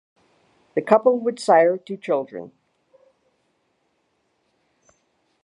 The couple would sire two children.